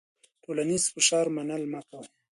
د ټولنیز فشار منل مه کوه.